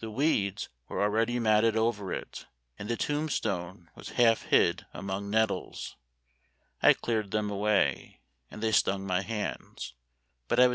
The weeds were already matted over it, and the tombstone was half hid among nettles. I cleared them away, and they stung my hands ; but I was Memoir of Washington Irving.